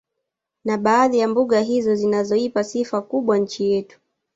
Na baadhi ya mbuga hizo zinazoipa sifa kubwa nchi yetu